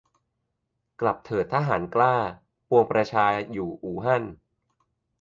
"กลับเถิดทหารกล้า ปวงประชาอยู่อู่ฮั่น"